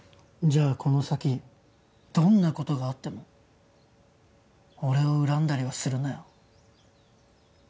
じゃあこの先どんな事があっても俺を恨んだりはするなよ。